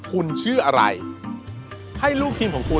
การตอบคำถามแบบไม่ตรงคำถามนะครับ